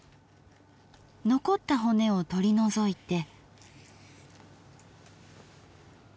残った骨を取り除いて。